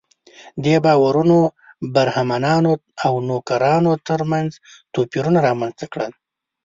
دې باورونو برهمنانو او نوکرانو تر منځ توپیرونه رامنځته کړل.